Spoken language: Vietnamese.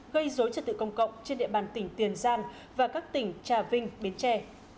gây dối trật tự công cộng trên địa bàn tỉnh tiền giang và các tỉnh trà vinh bến tre